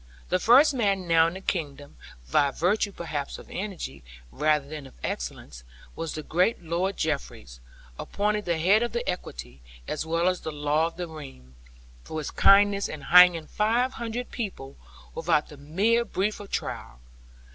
The first man now in the kingdom (by virtue perhaps of energy, rather than of excellence) was the great Lord Jeffreys, appointed the head of the Equity, as well as the law of the realm, for his kindness in hanging five hundred people, without the mere brief of trial.